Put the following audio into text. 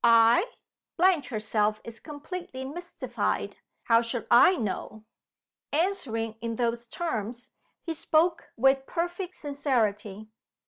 "I! Blanche herself is completely mystified. How should I know?" Answering in those terms, he spoke with perfect sincerity.